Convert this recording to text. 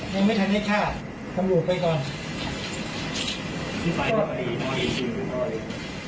ยังไม่ทันให้ฆ่าตำรวจไปก่อน